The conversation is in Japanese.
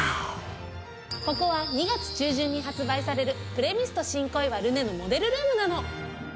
ここは２月中旬に発売されるプレミスト新小岩ルネのモデルルームなの。